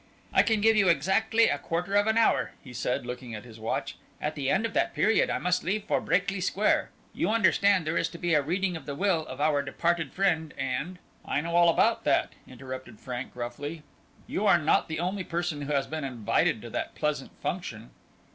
"I can give you exactly a quarter of an hour," he said, looking at his watch; "at the end of that period I must leave for Brakely Square. You understand there is to be a reading of the will of our departed friend, and " "I know all about that," interrupted Frank, roughly; "you are not the only person who has been invited to that pleasant function."